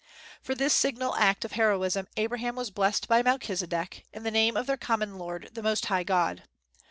For this signal act of heroism Abram was blessed by Melchizedek, in the name of their common lord the most high God.